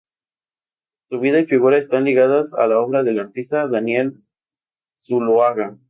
Su vida y figura están ligadas a la obra del artista Daniel Zuloaga.